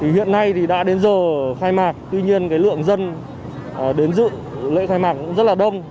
hiện nay đã đến giờ khai mạc tuy nhiên lượng dân đến dự lễ khai mạc rất là đông